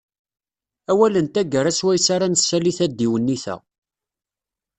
Awal n taggara swayes ara nessali tadiwennit-a.